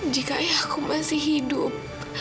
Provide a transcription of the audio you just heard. jika ayah aku masih hidup